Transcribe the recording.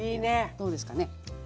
どうですかね？